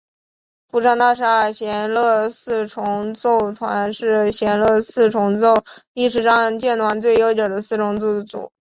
布商大厦弦乐四重奏团是弦乐四重奏历史上建团最悠久的四重奏组。